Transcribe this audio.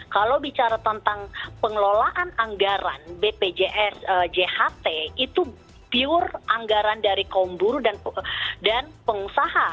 kalau bicara tentang pengelolaan anggaran bpjs jht itu pure anggaran dari kaum buruh dan pengusaha